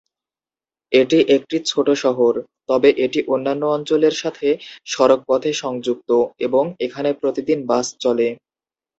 এটি একটি ছোট শহর, তবে এটি অন্যান্য অঞ্চলের সাথে সড়কপথে সংযুক্ত এবং এখানে প্রতিদিন বাস চলে।